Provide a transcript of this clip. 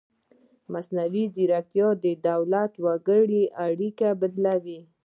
مصنوعي ځیرکتیا د دولت او وګړي اړیکه بدلوي.